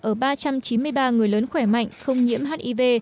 ở ba trăm chín mươi ba người lớn khỏe mạnh không nhiễm hiv